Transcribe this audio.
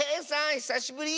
ひさしぶり！